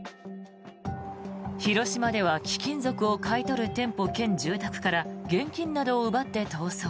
広島では貴金属を買い取る店舗兼住宅から現金などを奪って逃走。